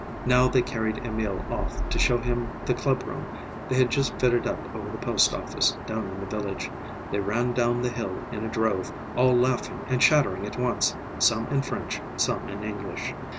Now they carried Emil off to show him the club room they had just fitted up over the post office, down in the village. They ran down the hill in a drove, all laughing and chattering at once, some in French, some in English.